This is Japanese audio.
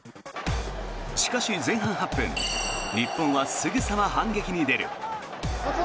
しかし、前半８分日本はすぐさま反撃に出る。